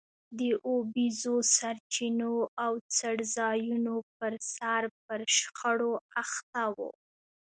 د اوبیزو سرچینو او څړځایونو پرسر پر شخړو اخته وو.